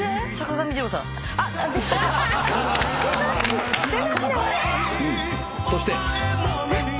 そして。